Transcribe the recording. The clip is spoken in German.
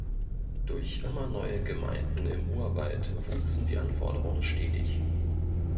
Durch immer neue Gemeinden im Urwald wuchsen die Anforderungen stetig.